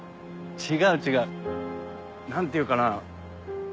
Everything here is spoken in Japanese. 違う違う何ていうかなぁ。